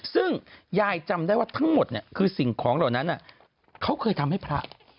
ซึ่งยายจำได้ว่าทั้งหมดเนี่ยคือสิ่งของเหล่านั้นเขาเคยทำให้พระ